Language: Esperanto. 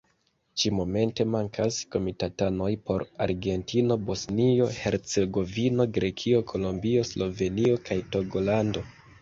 Ĉi-momente mankas komitatanoj por Argentino, Bosnio-Hercegovino, Grekio, Kolombio, Slovenio kaj Togolando.